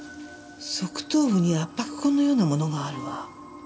側頭部に圧迫痕のようなものがあるわ。